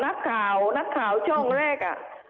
นักข่าวนักข่าวช่องแรก